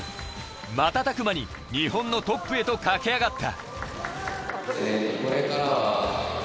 瞬く間に日本のトップへと駆け上がった。